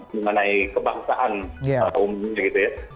mengenai kebangsaan umumnya gitu ya